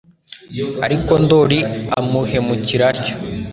ariko Ndoli amuhemukira atyo.